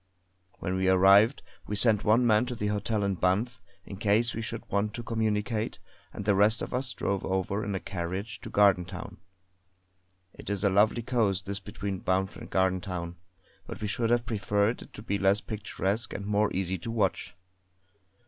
When we arrived we sent one man in the hotel in Banff in case we should want to communicate, and the rest of us drove over in a carriage to Gardentown. It is a lovely coast, this between Banff and Gardentown, but we should have preferred it to be less picturesque and more easy to watch.